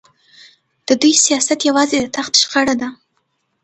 د دوی سیاست یوازې د تخت شخړه ده.